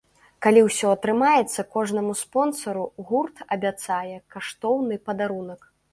Калі ўсё атрымаецца, кожнаму спонсару гурт абяцае каштоўны падарунак!